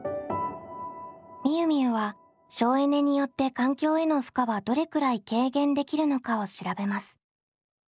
みゆみゆは省エネによって環境への負荷はどれくらい軽減できるのかを調べます。